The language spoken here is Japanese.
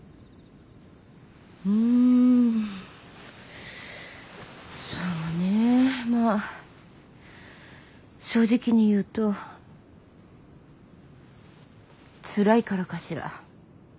んそうねぇまぁ正直に言うとツラいからかしら。